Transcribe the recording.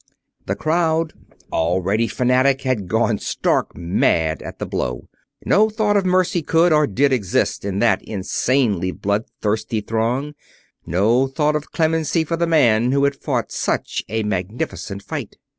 The crowd, already frantic, had gone stark mad at the blow. No thought of mercy could or did exist in that insanely bloodthirsty throng; no thought of clemency for the man who had fought such a magnificent fight.